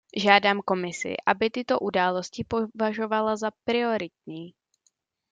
Žádám Komisi, aby tyto události považovala za prioritní.